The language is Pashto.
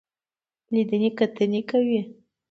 لیدنې کتنې کوي.